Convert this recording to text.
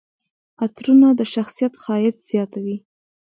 عطرونه د شخصیت ښایست زیاتوي.